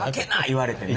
言われてね。